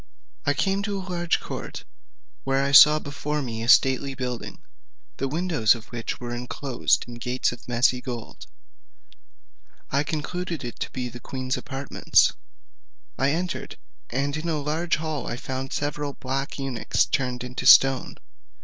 I came to a large court, where I saw before me a stately building, the windows of which were inclosed with gates of messy gold: I concluded it to be the queen's apartments. I entered; and in a large hall I found several black eunuchs turned into stone.